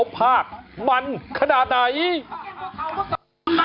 ภาคมันขนาดไหน